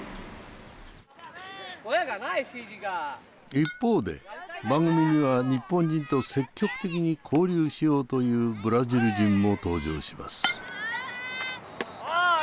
一方で番組には日本人と積極的に交流しようというブラジル人も登場します。